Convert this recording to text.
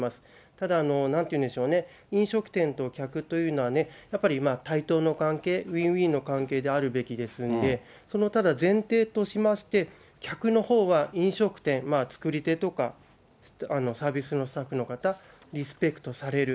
ただなんて言うんでしょうね、飲食店と客っていうのはね、やっぱり対等の関係、ウィンウィンの関係であるべきですんで、ただ前提としまして、客のほうは飲食店、作り手とかサービスのスタッフの方、リスペクトされる。